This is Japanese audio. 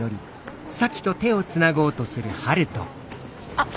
あっ。